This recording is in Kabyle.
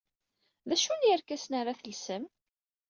D acu n yerkasen ara telsem?